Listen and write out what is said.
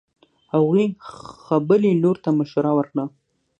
هغې خبلې لور ته مشوره ورکړه